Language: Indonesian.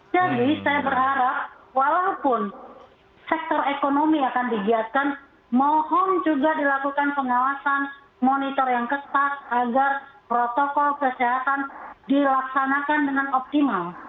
jadi saya berharap walaupun sektor ekonomi akan digiatkan mohon juga dilakukan pengawasan monitor yang ketat agar protokol kesehatan dilaksanakan dengan optimal